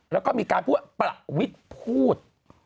แล้วก็มีการพูดว่าประวิทย์พูด